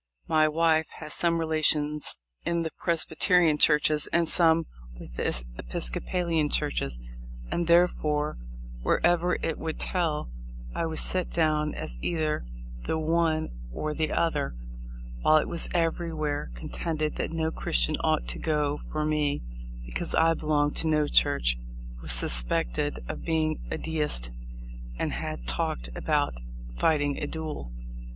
My wife has some relations in the Presbyterian churches and some with the Episcopalian churches, and therefore, wherever it would tell, I was set down as either the one or the other, while it was everywhere contended that no Christian ought to go for me, because I belonged to no church, was suspected of being a deist, and had talked about fighting a duel.